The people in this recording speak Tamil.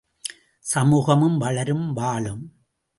சமூகமும் வளரும், வாழும்!